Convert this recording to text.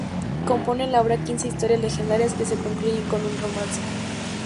Componen la obra quince historias legendarias, que se concluyen con un romance.